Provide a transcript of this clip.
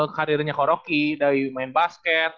karirnya ko rocky dari main basket